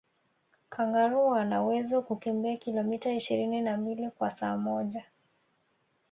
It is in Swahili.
kangaroo anawezo kukimbia kilometa ishirini na mbili kwa saa moja